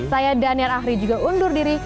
saya daniar ahri juga undur diri